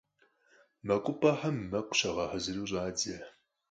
МэкъупӀэхэм мэкъу щагъэхьэзыру щӀадзэ.